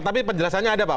tapi penjelasannya ada pak